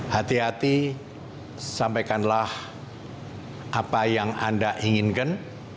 hati hati sampaikanlah apa yang anda inginkan